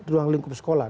ruang lingkung sekolah